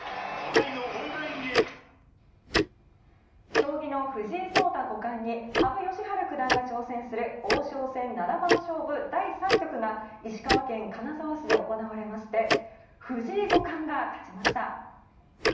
将棋の藤井聡太五冠に羽生善治九段が挑戦する王将戦七番勝負第３局が石川県金沢市で行われまして藤井五冠が勝ちました。